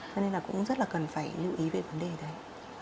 cho nên là cũng rất là cần phải lưu ý về vấn đề đấy